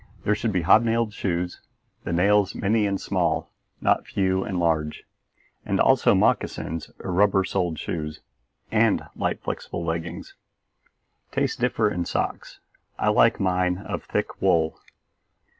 There should be hobnailed shoes the nails many and small, not few and large; and also moccasins or rubber soled shoes; and light, flexible leggings. Tastes differ in socks; I like mine of thick wool.